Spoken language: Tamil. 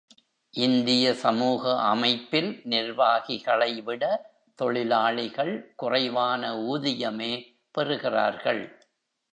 இந்திய சமூக அமைப்பில் நிர்வாகிகளை விட, தொழிலாளிகள் குறைவான ஊதியமே பெறுகிறார்கள்.